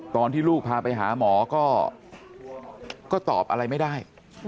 ตอนที่ลูกพาไปหาหมอก็ตอบอะไรไม่ได้